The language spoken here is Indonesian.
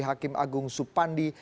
hakim agung supandi